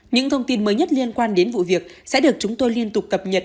những thông tin mới nhất liên quan đến vụ việc sẽ được chúng tôi liên tục cập nhật